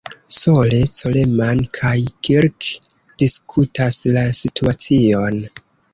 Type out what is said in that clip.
Sole, Coleman kaj "Kirk" diskutas la situacion.